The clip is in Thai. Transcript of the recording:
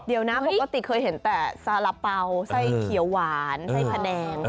เดี๋ยวนะปกติเคยเห็นแต่สาระเป๋าไส้เขียวหวานไส้พะแนง